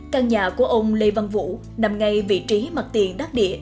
căn nhà của ông lê văn vũ nằm ngay vị trí mặt tiền đắc địa